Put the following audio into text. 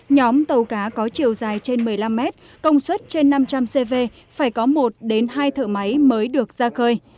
nhóm tàu cá có chiều dài trên một mươi năm mét công suất trên năm trăm linh cv phải có một đến hai thợ máy mới được ra khơi